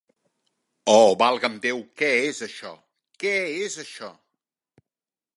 Oh, valga'm Déu, què és això? Què és això?